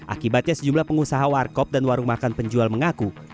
akibatnya sejumlah pengusaha warkop dan warung makan penjual mengaku